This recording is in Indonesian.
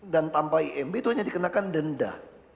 dan tanpa imb itu hanya dikenakan denda